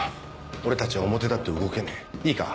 俺たちは表立って動けねえいいか？